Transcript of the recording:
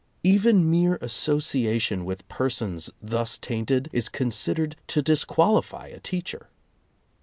Even mere association with persons thus tainted is considered to disqualify a teacher.